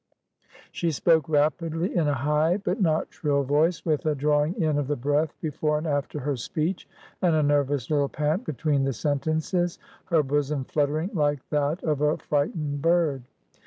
She spoke rapidly in a high, but not shrill, voice, with a drawing in of the breath before and after her speech, and a nervous little pant between the sentences, her bosom fluttering like that of a frightened bird.